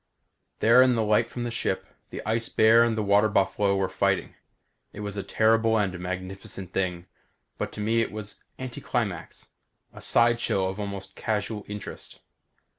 There, in the light from the ship, the ice bear and the water buffalo were fighting. It was a terrible and magnificent thing but to me it was anticlimax; a sideshow of almost casual interest.